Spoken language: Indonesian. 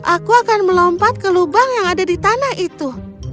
aku akan melompat ke lubang yang ada di tanah itu